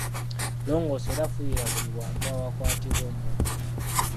Longoosa era fuuyira buli wantu awakwatibwa ennyo.